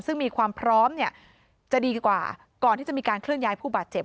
ซึ่งมีความพร้อมเนี่ยจะดีกว่าก่อนที่จะมีการเคลื่อนย้ายผู้บาดเจ็บ